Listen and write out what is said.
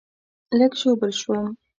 لږ ژوبل شوم